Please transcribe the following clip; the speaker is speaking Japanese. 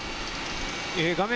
画面